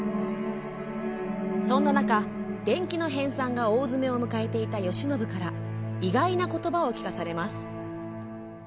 そんな中、伝記の編さんが大詰めを迎えていた慶喜から意外なことばを聞かされます。